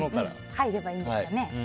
入ればいいんですかね？